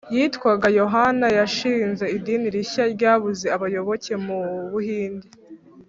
yitwaga yohana yashinze idini rishya ryabuze abayoboke mu buhindi